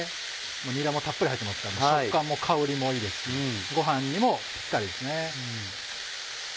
にらもたっぷり入ってますから食感も香りもいいですしご飯にもピッタリですね。